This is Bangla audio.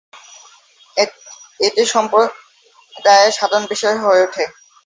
এটি সম্প্রদায়ে সাধারণ বিষয় হয়ে ওঠে।